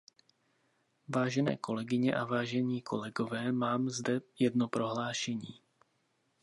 Vážené kolegyně a vážení kolegové, mám zde jedno prohlášení.